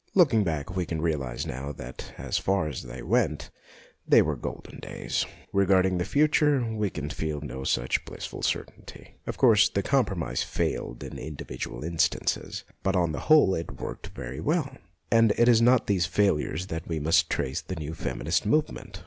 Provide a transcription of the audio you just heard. Look ing back we can realize now that as far as they went they were golden days. Regard ing the future we can feel no such blissful certainty. Of course, the compromise failed in indi vidual instances, but on the whole it worked very well, and it is not to these failures that we must trace the new feminist move ment.